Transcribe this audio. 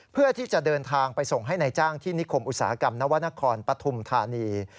เพื่อที่จะเดินทางไปส่งให้นายจ้างที่นิคมอุตสาหกรรมนวรรณครปฐุมธานี